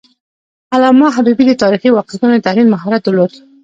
علامه حبیبي د تاریخي واقعیتونو د تحلیل مهارت درلود.